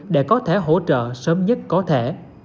để có thể hỗ trợ sớm nhất có thể